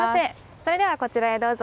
それではこちらへどうぞ。